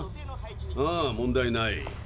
ああ問題ない。